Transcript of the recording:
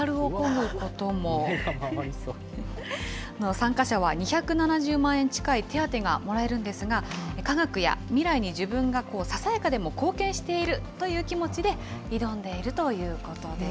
参加者は２７０万円近い手当がもらえるんですが、科学や未来に自分がささやかでも貢献しているという気持ちで、挑んでいるということです。